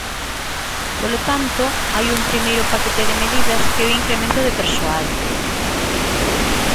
Polo tanto, hai un primeiro paquete de medidas que é o incremento de persoal.